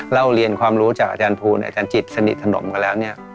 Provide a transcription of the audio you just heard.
เราเรียนความรู้จากอาจารย์ภูเนี่ยอาจารย์จิตสนิทสนมกันแล้วเนี่ย